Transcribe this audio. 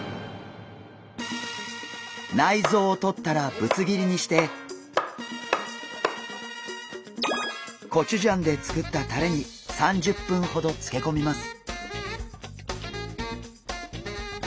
内臓を取ったらぶつ切りにしてコチュジャンで作ったタレに３０分ほどつけこみます。